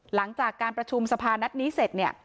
หลังจากการประชุมสภานัดนี้เสร็จเนี่ย